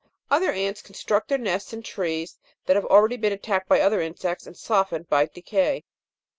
Other ants construct their nests in trees that have been already attacked by other insects and softened by decay.